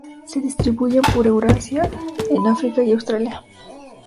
Se distribuyen por Eurasia, en África y Australia.